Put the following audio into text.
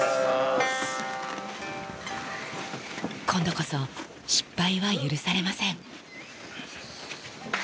今度こそ、失敗は許されません。